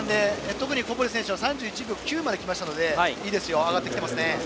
特に小堀選手は３１秒９まできましたのでいいですよ、上がってきています。